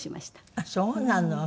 ああそうなの！